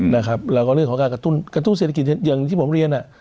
แล้วก็เรื่องของการกระตุ้นเศรษฐกิจอย่างที่ผมเรียน